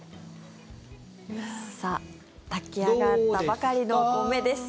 さあ炊き上がったばかりのお米です。